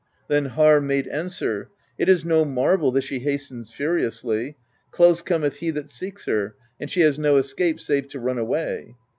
Then Harr made answer: "It is no marvel that she hastens furiously: close Cometh he that seeks her, and she has no escape save to run away."